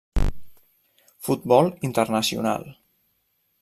Futbol Internacional.